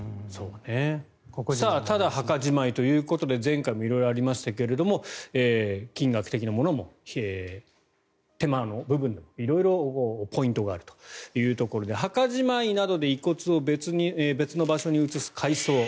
ただ墓じまいということで前回も色々ありましたが金額的なものも手間の部分でも色々ポイントがあるということで墓じまいなどで遺骨を別の場所に移す改葬。